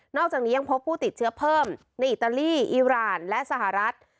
อกจากนี้ยังพบผู้ติดเชื้อเพิ่มในอิตาลีอีรานและสหรัฐ